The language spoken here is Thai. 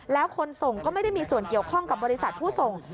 แล้วคนส่งก็ไม่ได้มีส่วนเกี่ยวข้องกับบริษัทผู้ส่ง